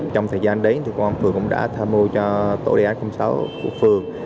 trong thời gian đấy thì công an phường cũng đã tham mô cho tổ đề án sáu của phường